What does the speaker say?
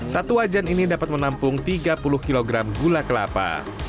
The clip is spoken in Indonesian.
satu wajan ini dapat menampung tiga puluh kg gula kelapa